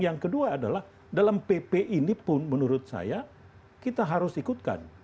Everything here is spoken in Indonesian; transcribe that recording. yang kedua adalah dalam pp ini pun menurut saya kita harus ikutkan